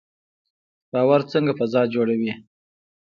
باور څنګه فضا جوړوي؟